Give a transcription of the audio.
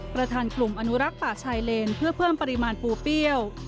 ประธานกลุ่มอนุรักษ์ป่าชายเลนเพื่อเพิ่มปริมาณปูเปรี้ยว